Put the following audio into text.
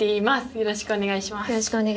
よろしくお願いします。